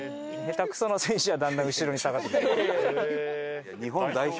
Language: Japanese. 下手くそな選手はだんだん後ろに下がっていく。